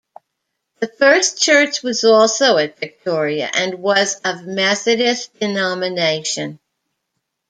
The first church was also at Victoria, and was of Methodist denomination.